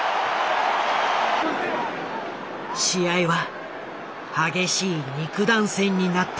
試合は激しい肉弾戦になった。